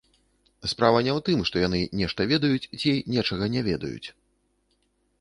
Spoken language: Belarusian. Справа не ў тым, што яны нешта ведаюць ці нечага не ведаюць.